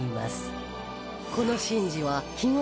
この神事は日別